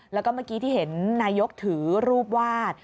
แล้วก็เมื่อกี้ที่เห็นนายกถือรูปวาด